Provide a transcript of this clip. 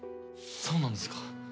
そうなんですか？